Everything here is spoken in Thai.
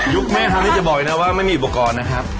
โลกแม่ทำเนี่ยจะบอกเองนัถว่าไม่มีอุปกรณ์อ่ะครับ